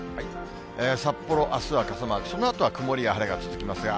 札幌、あすは傘マーク、そのあとは曇りや晴れが続きますが。